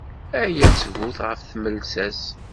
Aya d ttbut ɣef tmelsa-s.